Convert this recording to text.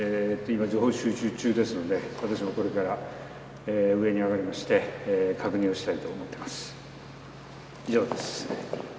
今、情報収集中ですので、私もこれから上に上がりまして、確認をしたいと思っています。